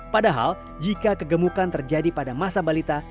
padahal jika kegemukan terjadi pada masa balita